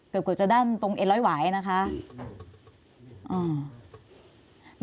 เกือบกว่าจะด้านตรงเอ็ดร้อยหวายนะคะอ่า